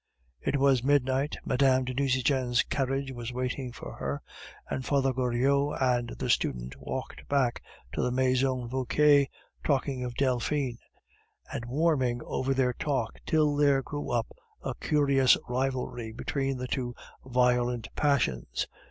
It was midnight. Mme. de Nucingen's carriage was waiting for her, and Father Goriot and the student walked back to the Maison Vauquer, talking of Delphine, and warming over their talk till there grew up a curious rivalry between the two violent passions.